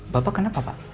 bapak kenapa pak